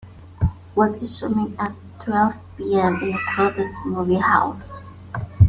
What is showing at twelve P.M. in the closest movie house